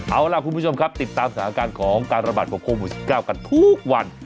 เอาล่ะคุณผู้ชมครับติดตามสถานการณ์ของการระบาดของโควิด๑๙กันทุกวัน